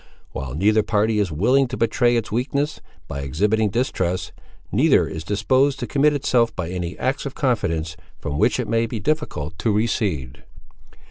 While neither party is willing to betray its weakness, by exhibiting distrust, neither is disposed to commit itself by any acts of confidence, from which it may be difficult to recede.